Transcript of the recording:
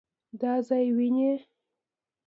دا ځای وينې؟